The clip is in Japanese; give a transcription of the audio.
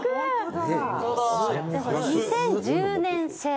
「２０１０年製」